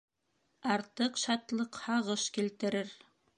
Артыҡ шатлыҡ һағыш килтерер.